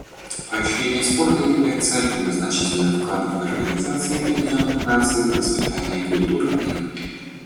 Поощрение спорта является одним из значительных вкладов Организации Объединенных Наций в воспитании культуры мира.